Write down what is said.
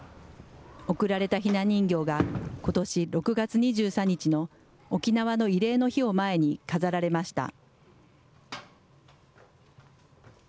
贈られたひな人形が、ことし６月２３日の沖縄の慰霊の日を前に、飾られました。